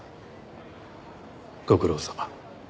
ご苦労さま。